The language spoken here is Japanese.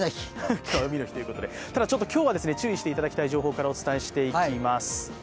ただ、今日は注意していただきたい情報からお伝えします。